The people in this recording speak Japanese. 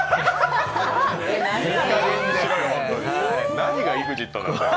何がＥＸＩＴなんだろう